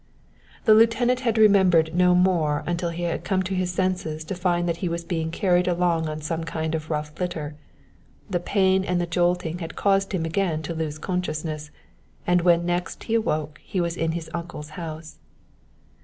The lieutenant had remembered no more until he had come to his senses to find that he was being carried along on some kind of rough litter. The pain and the jolting had caused him again to lose consciousness, and when next he awoke he was in his uncle's house.